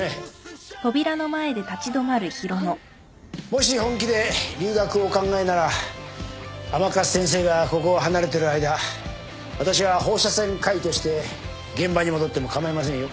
もし本気で留学をお考えなら甘春先生がここを離れてる間私が放射線科医として現場に戻っても構いませんよ。